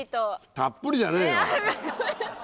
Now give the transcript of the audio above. たっぷりじゃねえよ！